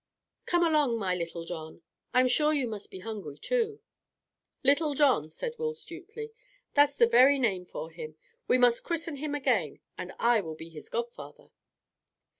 Come along, my little John, I'm sure you must be hungry too." "Little John," said Will Stutely, "that's the very name for him. We must christen him again, and I will be his godfather."